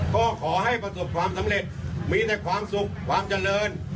ก็ขอให้ประสบความสำเร็จมีแต่ความสุขความเจริญ